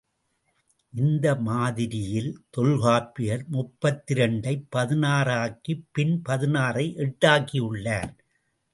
இந்த மாதிரியில், தொல்காப்பியர் முப்பத்திரண்டைப் பதினாறாக்கிப் பின் பதினாறை எட்டாக்கியுள்ளார்.